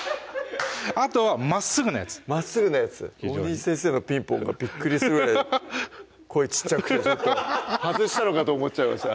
あとはまっすぐなやつまっすぐなやつ大西先生の「ピンポン」がびっくりするぐらい声小っちゃくて外したのかと思っちゃいました